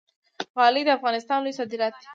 غالۍ د افغانستان لوی صادرات دي